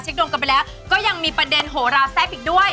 ดวงกันไปแล้วก็ยังมีประเด็นโหราแซ่บอีกด้วย